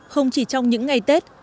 không chỉ trong những ngày tết